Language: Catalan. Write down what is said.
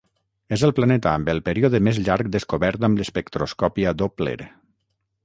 És el planeta amb el període més llarg descobert amb l'espectroscòpia Doppler.